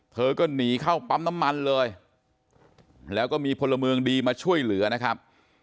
เธอก็หนีเข้าปั๊มน้ำมันเลยแล้วก็มีพลเมืองดีมาช่วยเหลือนะครับ